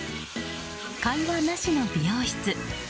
会話なしの美容室。